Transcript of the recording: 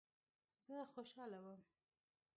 زه خوشاله وم.